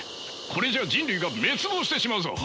これじゃあ人類が滅亡してしまうぞ。